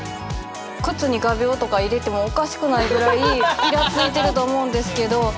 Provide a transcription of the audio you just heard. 靴に画びょうとか入れてもおかしくないぐらいいらついてると思うんですけど。